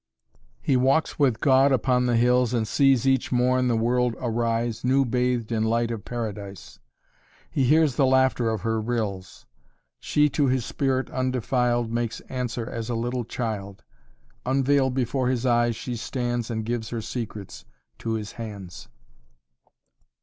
"He walks with God upon the hills And sees each morn the world arise New bathed in light of Paradise. He hears the laughter of her rills; She to his spirit undefiled Makes answer as a little child; Unveiled before his eyes she stands And gives her secrets to his hands."